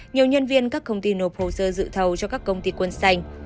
nhiều nhân viên các công ty nộp hồ sơ dự thầu cho các công ty quân xanh